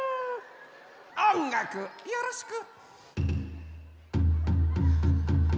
おんがくよろしく！